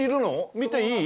見ていい？